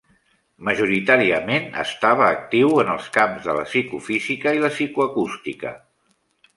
Majoritàriament estava actiu en els camps de la psicofísica i la psicoacústica.